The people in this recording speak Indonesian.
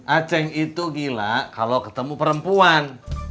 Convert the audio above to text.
acing itu gila kalo ketemu perempuan